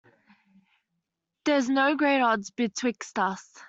There's no great odds betwixt us.